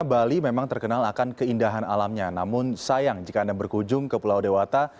bali memang terkenal akan keindahan alamnya namun sayang jika anda berkunjung ke pulau dewata